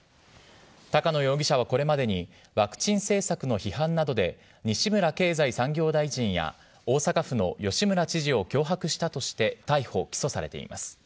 高野容疑者はこれまでに、ワクチン政策の批判などで西村経済産業大臣や大阪府の吉村知事を脅迫したとして逮捕・起訴されています。